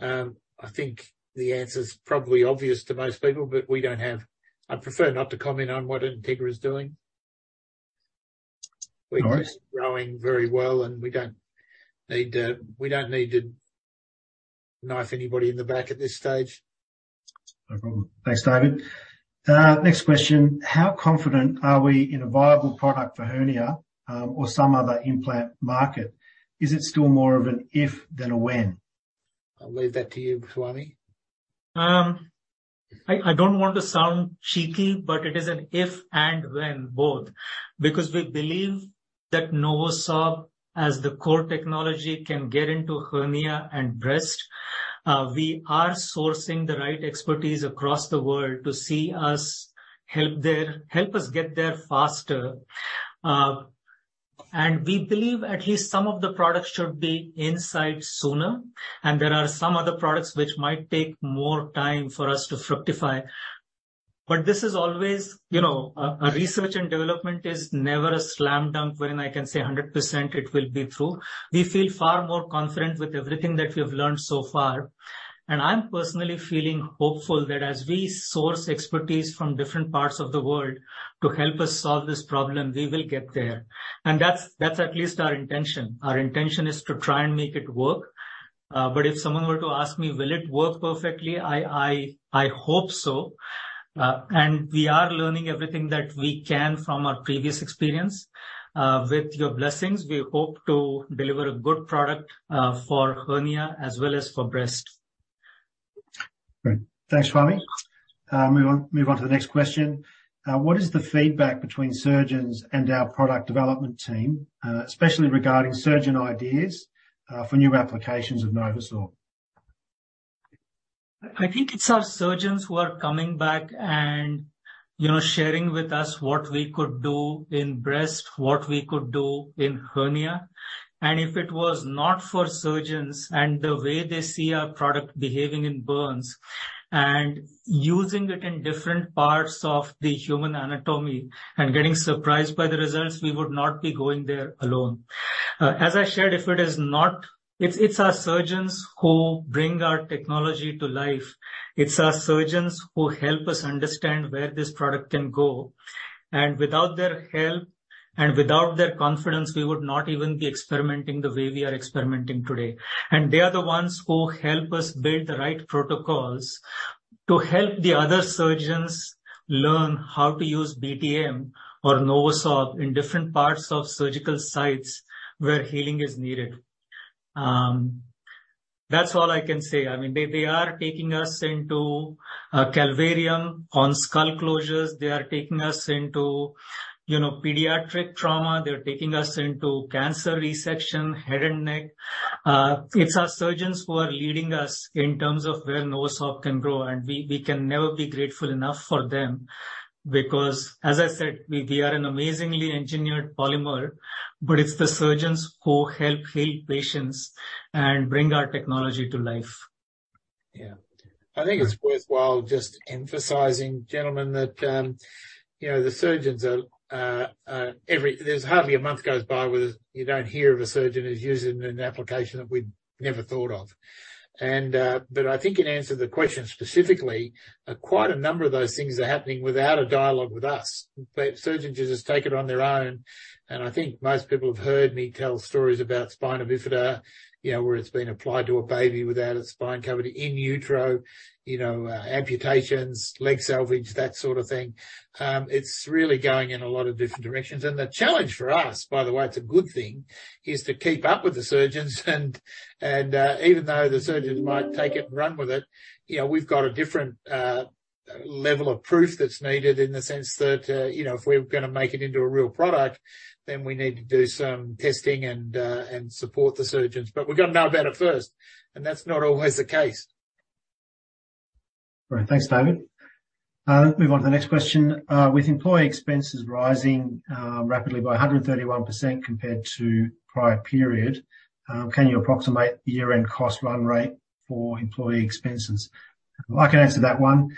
I think the answer's probably obvious to most people, but we don't have. I'd prefer not to comment on what Integra is doing. All right. We're growing very well, we don't need to knife anybody in the back at this stage. No problem. Thanks, David. Next question. How confident are we in a viable product for hernia, or some other implant market? Is it still more of an if than a when? I'll leave that to you, Swami. I don't want to sound cheeky, but it is an if and when, both. We believe that NovoSorb, as the core technology, can get into hernia and breast. We are sourcing the right expertise across the world to see us help there, help us get there faster. We believe at least some of the products should be inside sooner, and there are some other products which might take more time for us to fructify. This is always, you know, a research and development is never a slam dunk wherein I can say 100% it will be true. We feel far more confident with everything that we have learned so far. I'm personally feeling hopeful that as we source expertise from different parts of the world to help us solve this problem, we will get there. That's at least our intention. Our intention is to try and make it work. If someone were to ask me, "Will it work perfectly?" I hope so. We are learning everything that we can from our previous experience. With your blessings, we hope to deliver a good product for hernia as well as for breast. Great. Thanks, Swami. Move on to the next question. What is the feedback between surgeons and our product development team, especially regarding surgeon ideas, for new applications of NovoSorb? I think it's our surgeons who are coming back and, you know, sharing with us what we could do in breast, what we could do in hernia. If it was not for surgeons and the way they see our product behaving in burns and using it in different parts of the human anatomy and getting surprised by the results, we would not be going there alone. As I shared, it's our surgeons who bring our technology to life. It's our surgeons who help us understand where this product can go. Without their help and without their confidence, we would not even be experimenting the way we are experimenting today. They are the ones who help us build the right protocols to help the other surgeons learn how to use BTM or NovoSorb in different parts of surgical sites where healing is needed. That's all I can say. I mean, they are taking us into calvarium on skull closures. They are taking us into, you know, pediatric trauma. They're taking us into cancer resection, head and neck. It's our surgeons who are leading us in terms of where NovoSorb can grow, and we can never be grateful enough for them because as I said, we are an amazingly engineered polymer, but it's the surgeons who help heal patients and bring our technology to life. Yeah. I think it's worthwhile just emphasizing, gentlemen, that, you know, the surgeons are, There's hardly a month goes by where you don't hear of a surgeon who's using an application that we'd never thought of. I think in answer to the question specifically, quite a number of those things are happening without a dialogue with us. Surgeons just take it on their own, and I think most people have heard me tell stories about spina bifida, you know, where it's been applied to a baby without a spine covered in utero, you know, amputations, leg salvage, that sort of thing. It's really going in a lot of different directions the challenge for us, by the way, it's a good thing, is to keep up with the surgeons and, even though the surgeons might take it and run with it, you know, we've got a different level of proof that's needed in the sense that, you know, if we're gonna make it into a real product, then we need to do some testing and support the surgeons but we've got to know about it first, and that's not always the case. All right. Thanks, David. Move on to the next question. With employee expenses rising rapidly by 131% compared to prior period, can you approximate the year-end cost run rate for employee expenses? I can answer that one.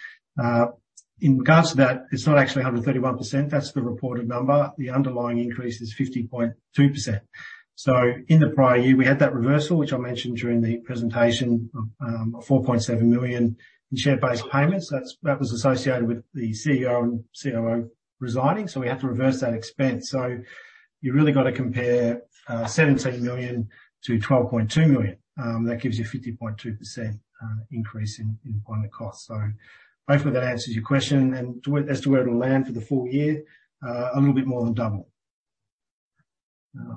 In regards to that, it's not actually 131% that's the reported number the underlying increase is 50.2%. In the prior year, we had that reversal, which I mentioned during the presentation, of 4.7 million in share-based payments that was associated with the CEO and COO resigning, so we had to reverse that expense. You really got to compare 17 million to 12.2 million. That gives you 50.2% increase on the cost. Hopefully that answers your question. As to where it'll land for the full year, a little bit more than double.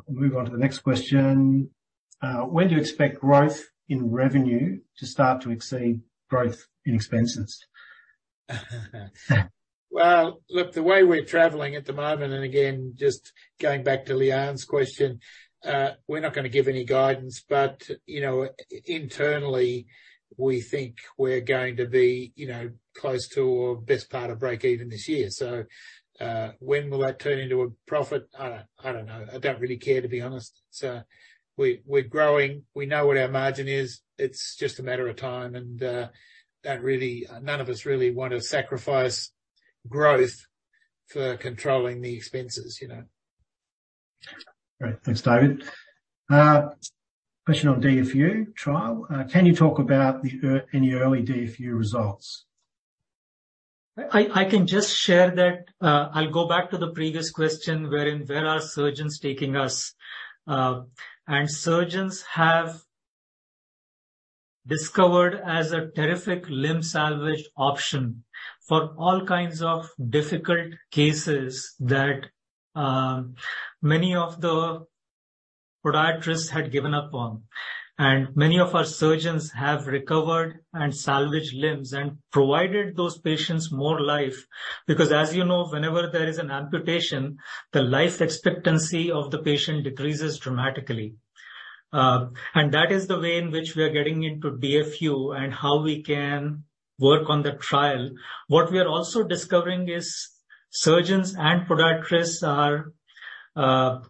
We'll move on to the next question. When do you expect growth in revenue to start to exceed growth in expenses? Look, the way we're traveling at the moment, and again, just going back to Lyanne's question, we're not gonna give any guidance. You know, internally, we think we're going to be, you know, close to or best part of break even this year. When will that turn into a profit? I don't know. I don't really care, to be honest. We're growing. We know what our margin is. It's just a matter of time, and none of us really want to sacrifice growth for controlling the expenses, you know. Great. Thanks, David. Question on DFU trial? Can you talk about any early DFU results? I can just share that, I'll go back to the previous question, wherein where are surgeons taking us? Surgeons have discovered as a terrific limb salvage option for all kinds of difficult cases that many of the podiatrists had given up on. Many of our surgeons have recovered and salvaged limbs and provided those patients more life. As you know, whenever there is an amputation, the life expectancy of the patient decreases dramatically. That is the way in which we are getting into DFU and how we can work on the trial. What we are also discovering is surgeons and podiatrists are,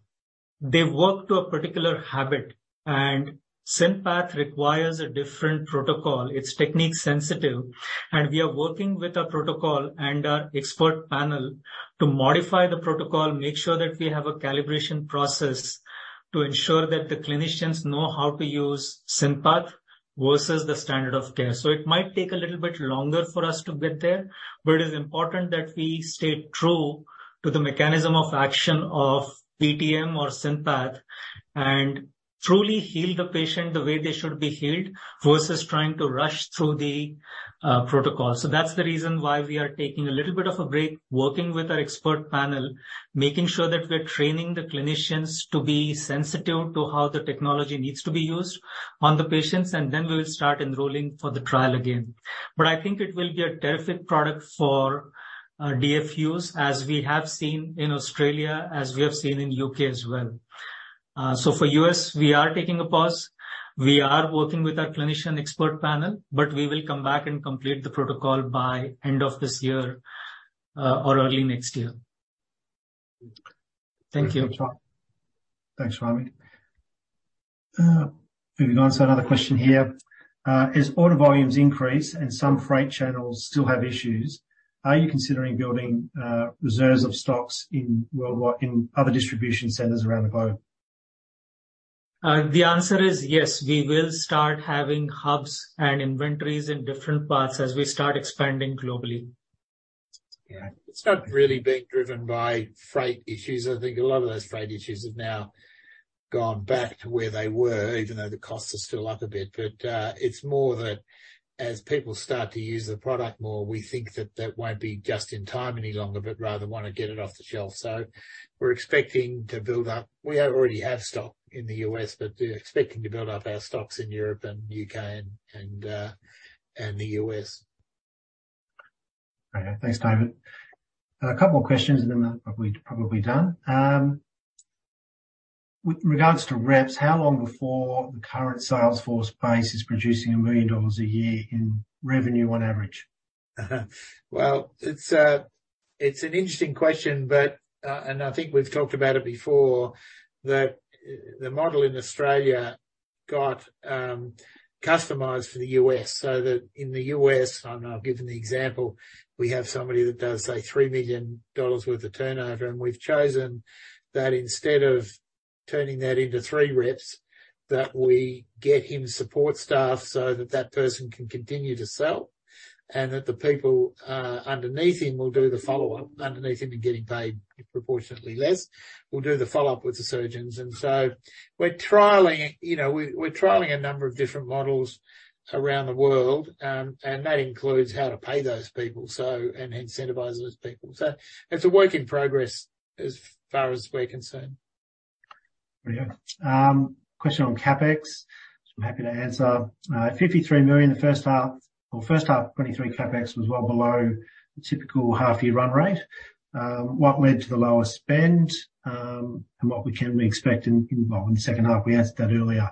they work to a particular habit, and SynPath requires a different protocol. It's technique sensitive, and we are working with our protocol and our expert panel to modify the protocol, make sure that we have a calibration process to ensure that the clinicians know how to use SynPath versus the standard of care. It might take a little bit longer for us to get there, but it is important that we stay true to the mechanism of action of PTM or SynPath and truly heal the patient the way they should be healed versus trying to rush through the protocol that's the reason why we are taking a little bit of a break, working with our expert panel, making sure that we're training the clinicians to be sensitive to how the technology needs to be used on the patients, and then we will start enrolling for the trial again. I think it will be a terrific product for DFUs, as we have seen in Australia, as we have seen in UK as well. For US, we are taking a pause. We are working with our clinician expert panel, we will come back and complete the protocol by end of this year or early next year. Thank you. Thanks, Swami. Moving on to another question here. As order volumes increase and some freight channels still have issues, are you considering building reserves of stocks in other distribution centers around the globe? The answer is yes. We will start having hubs and inventories in different parts as we start expanding globally. Yeah. It's not really being driven by freight issues. I think a lot of those freight issues have now gone back to where they were, even though the costs are still up a bit. It's more that as people start to use the product more, we think that that won't be just in time any longer, but rather wanna get it off the shelf. We're expecting to build up. We already have stock in the U.S., but we're expecting to build up our stocks in Europe and U.K. and the U.S. Great. Thanks, David. A couple more questions, then we're probably done. With regards to reps, how long before the current sales force base is producing 1 million dollars a year in revenue on average? It's an interesting question, but, and I think we've talked about it before, that the model in Australia got customized for the U.S. so that in the U.S., and I've given the example, we have somebody that does, say, $3 million worth of turnover, and we've chosen that instead of turning that into three reps, that we get him support staff so that that person can continue to sell, and that the people underneath him will do the follow-up. Underneath him and getting paid proportionately less, will do the follow-up with the surgeons. We're trialing, you know, we're trialing a number of different models around the world, and that includes how to pay those people, so, and incentivize those people. It's a work in progress as far as we're concerned. Question on CapEx, which I'm happy to answer. 53 million the first half or first half 2023 CapEx was well below the typical half-year run rate. What led to the lower spend, and what we can expect in the second half? We answered that earlier.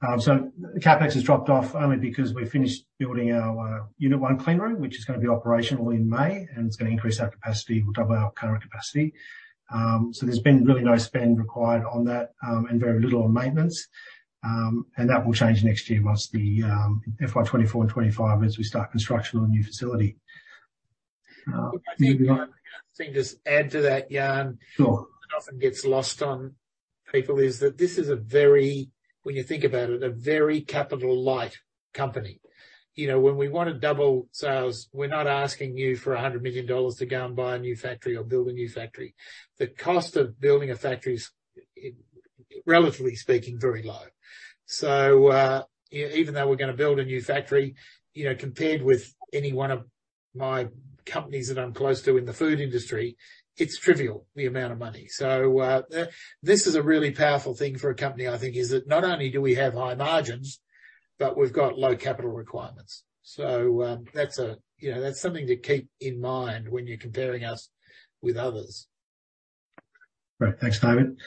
The CapEx has dropped off only because we finished building our Unit-1 clean room, which is gonna be operational in May, and it's gonna increase our capacity we'll double our current capacity. There's been really no spend required on that, and very little on maintenance. That will change next year once the FY 2024 and 2025 as we start construction on the new facility. If I may, Jan, just add to that, Jan. Sure. What often gets lost on people is that this is a very, when you think about it, a very capital light company. You know, when we wanna double sales, we're not asking you for 100 million dollars to go and buy a new factory or build a new factory. The cost of building a factory is, relatively speaking, very low. Even though we're gonna build a new factory, you know, compared with any one of my companies that I'm close to in the food industry, it's trivial, the amount of money. This is a really powerful thing for a company, I think, is that not only do we have high margins, but we've got low capital requirements. That's a, you know, that's something to keep in mind when you're comparing us with others. Great. Thanks, David.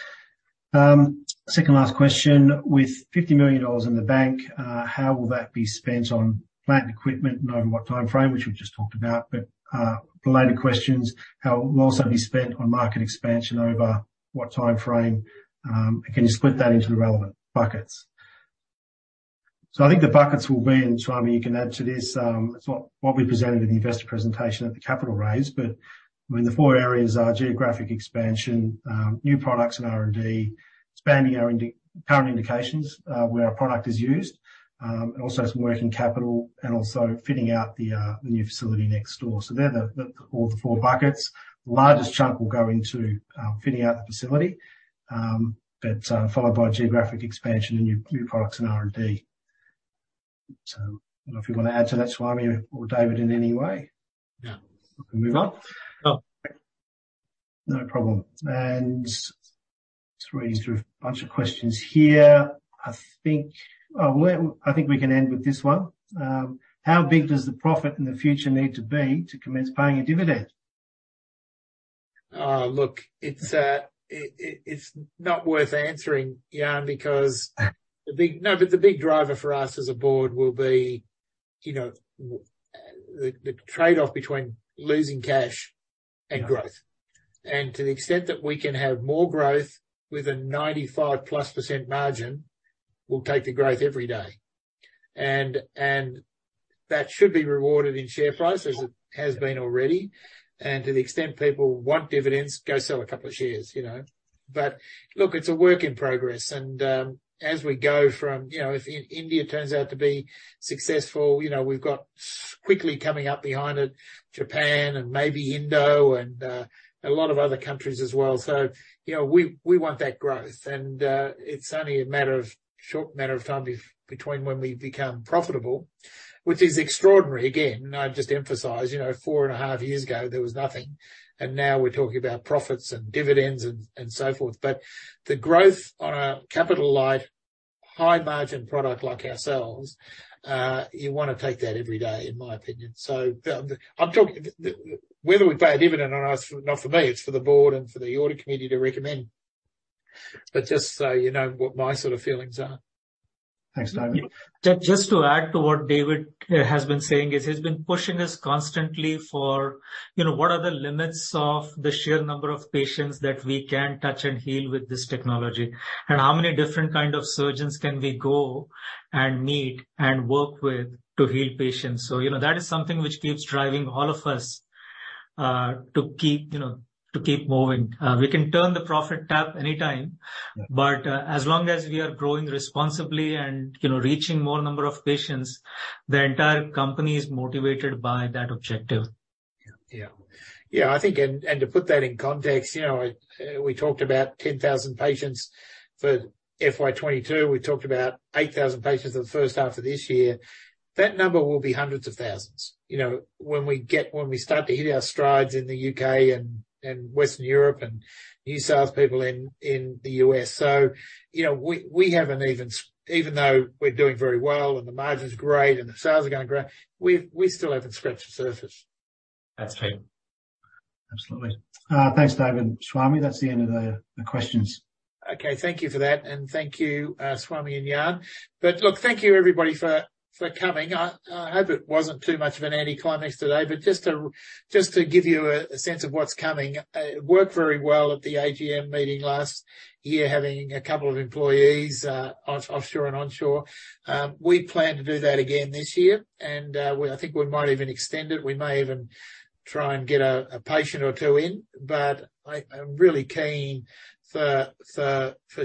Second last question. With AUD 50 million in the bank, how will that be spent on plant and equipment and over what timeframe, which we've just talked about? Related questions, how will also be spent on market expansion over what timeframe, and can you split that into the relevant buckets? I think the buckets will be, and Swami, you can add to this, it's what we presented in the investor presentation at the capital raise. I mean, the four areas are geographic expansion, new products and R&D, expanding our current indications, where our product is used, and also some working capital and also fitting out the new facility next door they're all the four buckets. The largest chunk will go into, fitting out the facility, but followed by geographic expansion and new products and R&D. I don't know if you wanna add to that, Swami or David, in any way. No. We can move on. No. No problem. Just reading through a bunch of questions here. I think we can end with this one. How big does the profit in the future need to be to commence paying a dividend? Look, it's not worth answering, Jan, because the big driver for us as a board will be, you know, the trade-off between losing cash and growth. To the extent that we can have more growth with a 95%+ margin, we'll take the growth every day. That should be rewarded in share price as it has been already. To the extent people want dividends, go sell a couple of shares, you know. Look, it's a work in progress. As we go from, you know, if India turns out to be successful, you know, we've got quickly coming up behind it, Japan and maybe Indonesia and a lot of other countries as well. You know, we want that growth. It's only a matter of, short matter of time between when we become profitable, which is extraordinary again, I just emphasize, you know, four and a half years ago, there was nothing, and now we're talking about profits and dividends and so forth. The growth on a capital light, high margin product like ourselves, you wanna take that every day, in my opinion. Whether we pay a dividend or not, it's not for me, it's for the board and for the audit committee to recommend. Just so you know what my sort of feelings are. Thanks, David. Just to add to what David has been saying is he's been pushing us constantly for, you know, what are the limits of the sheer number of patients that we can touch and heal with this technology, and how many different kind of surgeons can we go and meet and work with to heal patients you know, that is something which keeps driving all of us to keep, you know, to keep moving. We can turn the profit tap anytime, but, as long as we are growing responsibly and, you know, reaching more number of patients, the entire company is motivated by that objective. Yeah, I think To put that in context, you know, we talked about 10,000 patients for FY 2022. We talked about 8,000 patients in the first half of this year. That number will be hundreds of thousands. You know, when we start to hit our strides in the UK and Western Europe and new sales people in the US. You know, we haven't even, even though we're doing very well and the margin's great and the sales are going great, we still haven't scratched the surface. That's fair. Absolutely. Thanks, David. Swami, that's the end of the questions. Okay, thank you for that, and thank you, Swami and Jan. Look, thank you everybody for coming. I hope it wasn't too much of an anticlimax today just to give you a sense of what's coming, it worked very well at the AGM meeting last year, having a couple of employees offshore and onshore. We plan to do that again this year, and I think we might even extend it. We may even try and get a patient or two in. I'm really keen for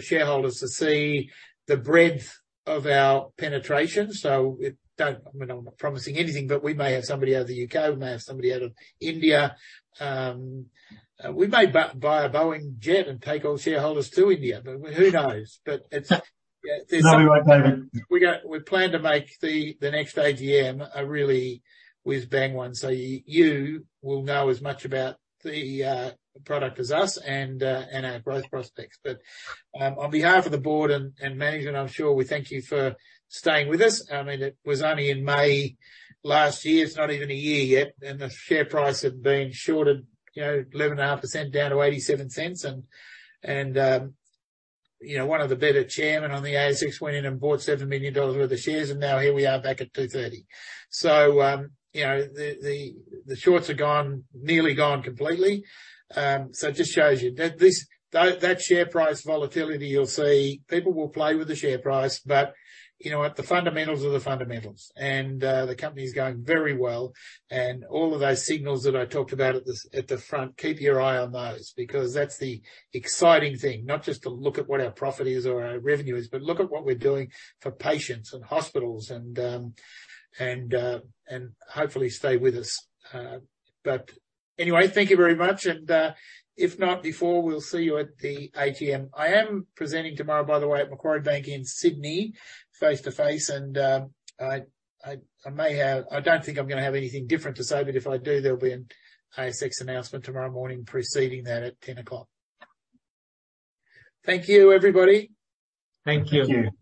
shareholders to see the breadth of our penetration. I mean, I'm not promising anything, but we may have somebody out of the U.K., we may have somebody out of India. We may buy a Boeing jet and take all shareholders to India. Who knows? No, we won't buy that. We plan to make the next AGM a really whiz-bang one you will know as much about the product as us and our growth prospects. On behalf of the board and management, I'm sure we thank you for staying with us. I mean, it was only in May last year, it's not even a year yet. The share price had been shorted, you know, 11.5% down to AUD [inaudible] and, you know, one of the better chairman on the ASX went in and bought 7 million dollars worth of shares, and now here we are back at 2.30 million. You know, the shorts are gone, nearly gone completely. It just shows you that share price volatility you'll see people will play with the share price, but you know what? The fundamentals are the fundamentals. The company is going very well. All of those signals that I talked about at the front, keep your eye on those because that's the exciting thing not just to look at what our profit is or our revenue is, but look at what we're doing for patients and hospitals and hopefully stay with us. Anyway, thank you very much. If not before, we'll see you at the AGM. I am presenting tomorrow, by the way, at Macquarie Bank in Sydney, face-to-face. I may have... I don't think I'm gonna have anything different to say, but if I do, there'll be an ASX announcement tomorrow morning preceding that at 10:00 A.M. Thank you, everybody. Thank you.